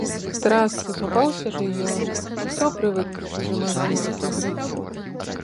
Трасцы, папаўся ж і ён, усё прывык пры чужым агні рукі грэць.